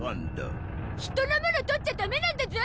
人のもの取っちゃダメなんだゾ！